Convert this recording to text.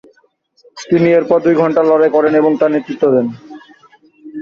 তিনি এরপরে দুই ঘণ্টার লড়াই করেন এবং তা নেতৃত্ব দেন।